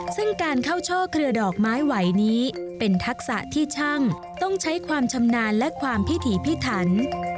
ซึ่งการเข้าช่อเครือดอกไม้ไหวนี้เป็นทักษะที่ช่างต้องใช้ความชำนาญและความพิถีพิถัน